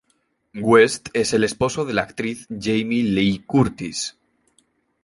Guest es el esposo de la actriz Jamie Lee Curtis.